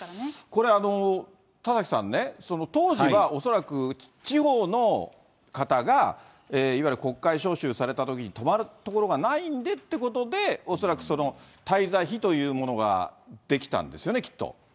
これ、田崎さんね、当時は恐らく地方の方が、いわゆる国会召集されたときに泊まる所がないんでっていうことで、恐らくその滞在費というものができたんですよね、きっと。